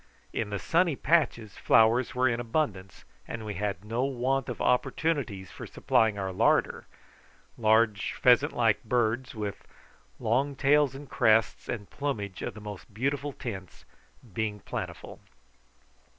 In the sunny patches flowers were in abundance, and we had no want of opportunities for supplying our larder, large pheasant like birds, with long tails and crests, and plumage of the most beautiful tints, being plentiful.